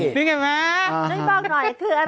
นี่เห็นไหมนี่บอกหน่อยคืออะไร